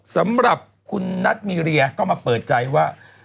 สำหรับคุณนัทมีเรียก็มาเปิดใจว่า